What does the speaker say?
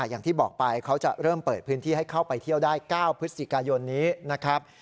อย่างที่บอกไปเขาจะเริ่มเปิดพื้นที่ให้เข้าไปเที่ยวได้๙พฤศจิกายนนี้นะครับ